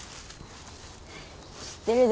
知ってるで。